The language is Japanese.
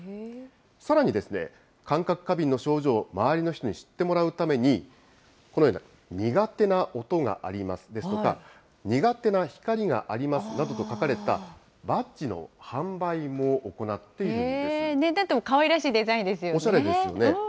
さらにですね、感覚過敏の症状を周りの人に知ってもらうために、このような苦手な音がありますですとか、苦手な光がありますなどと書かれたバッジの販売も行っているんでなんともかわいらしいデザイおしゃれですよね。